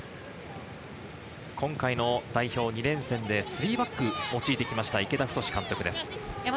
今回の代表２連戦で３バックを用いて来ました、池田太監督です。